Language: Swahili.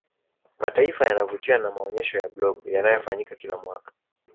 mataifa yanavutiwa na maonyesho ya blob yanayofanyika kila mwaka